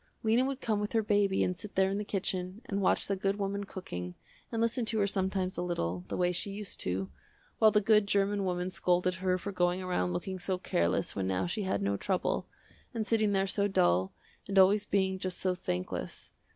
Lena would come with her baby and sit there in the kitchen, and watch the good woman cooking, and listen to her sometimes a little, the way she used to, while the good german woman scolded her for going around looking so careless when now she had no trouble, and sitting there so dull, and always being just so thankless.